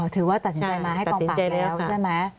ถือว่าตัดสินใจมาให้กองปราบแล้วใช่ไหม